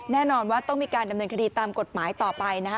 แน่นอนว่าต้องมีการดำเนินคดีตามกฎหมายต่อไปนะคะ